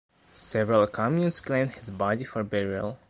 Several communes claimed his body for burial.